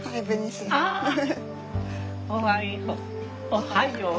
おはよう。